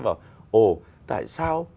bảo ồ tại sao